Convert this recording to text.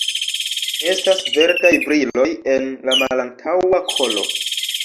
Estas verdaj briloj en la malantaŭa kolo.